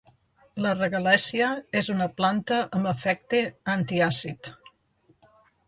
La regalèssia és una planta amb efecte antiàcid.